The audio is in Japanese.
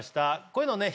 こういうのね